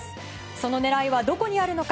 その狙いはどこにあるのか。